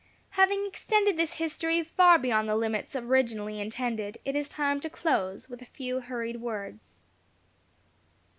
Having extended this history far beyond the limits originally intended, it is time to close with a few hurried words.